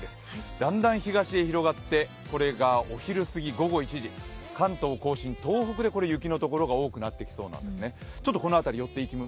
だんだん東へ広がってこれがお昼過ぎ、午後１時、関東、甲信東北で雪のところが多くなってきそうなんですね。